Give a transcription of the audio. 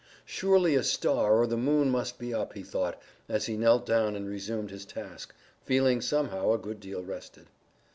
Surely a star or the moon must be up, he thought, as he knelt down and resumed his task, feeling somehow a good deal rested.